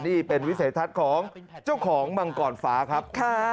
นี่เป็นวิสัยทัศน์ของเจ้าของมังกรฟ้าครับ